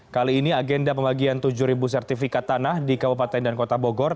kali ini agenda pembagian tujuh sertifikat tanah di kabupaten dan kota bogor